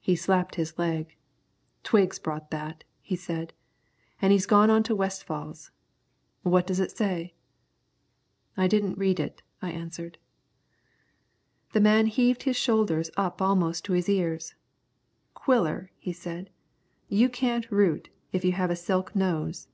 He slapped his leg. "Twiggs brought that," he said, "an' he's gone on to Westfall's. What does it say?" "I didn't read it," I answered. The man heaved his shoulders up almost to his ears. "Quiller," he said, "you can't root, if you have a silk nose."